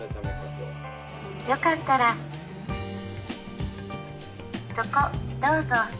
よかったらそこどうぞ。